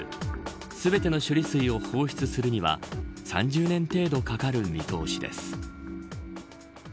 全ての処理水を放出するには３０年程度かかる見通しです。